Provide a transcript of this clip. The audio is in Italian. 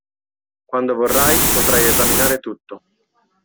Quando vorrai, potrai esaminare tutto.